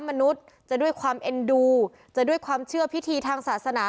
มนุษย์จะด้วยความเอ็นดูจะด้วยความเชื่อพิธีทางศาสนา